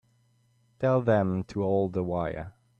Tell them to hold the wire.